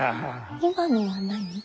今のは何。